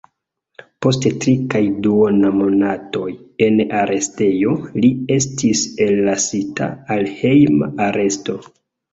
Post tri kaj duona monatoj en arestejo, li estis ellasita al hejma aresto.